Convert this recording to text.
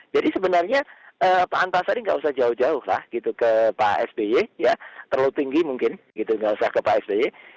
jadi sebenarnya pak antasari tidak usah jauh jauh ke pak sbe terlalu tinggi mungkin tidak usah ke pak sbe